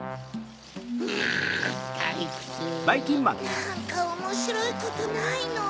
なんかおもしろいことないの？